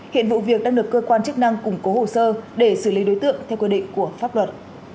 hiện vụ việc đang được cơ quan chức năng củng cố hồ sơ để xử lý đối tượng theo quy định của pháp luật